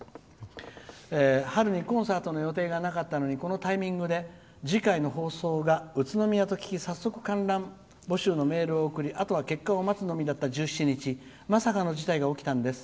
「春にコンサートの予定がなかったのにこのタイミングで次回の放送が宇都宮と聞き、早速観覧募集のメールを送りあとは結果を待つのみだった１７日まさかの事態が起きたんです。